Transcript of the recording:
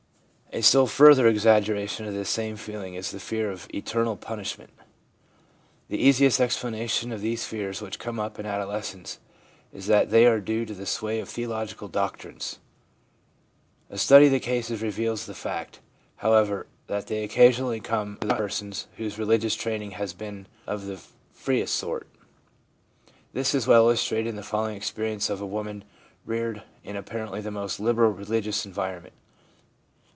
A still further exaggeration of this same feeling is the fear of eternal punishment. The easiest explanation of these fears which come up in adolescence is that they are due to the sway of theological doctrines. A study of the cases reveals the fact, however, that they occa sionally come to the front in persons whose religious training has been of the freest sort. This is well illustrated in the following experience of a woman reared in apparently the most liberal religious environ ment.